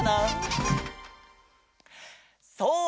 そう！